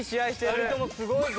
２人ともすごいぞ。